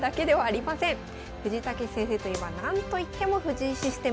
藤井猛先生といえばなんといっても藤井システム。